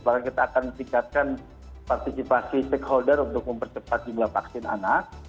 maka kita akan tingkatkan partisipasi stakeholder untuk mempercepat jumlah vaksin anak